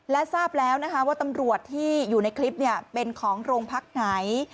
และทราบแล้วนะคะว่าตำรวจที่อยู่ในคลิปเป็นของโรงพักไหน